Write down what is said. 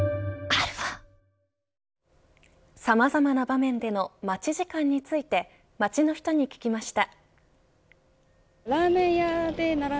さまざまな場面での待ち時間について街の人に聞きました。